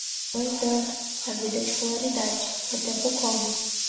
No entanto, a vida é escolaridade, o tempo corre.